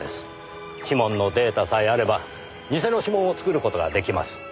指紋のデータさえあれば偽の指紋を作る事が出来ます。